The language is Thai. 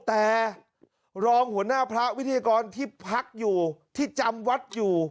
แต่รองหัวหน้าพระวิทยากรที่พักอยู่ที่จำวัดอยู่